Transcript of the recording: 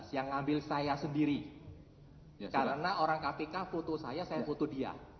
yang ngambil saya sendiri karena orang kpk foto saya saya foto dia